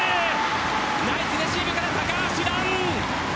ナイスレシーブから高橋藍！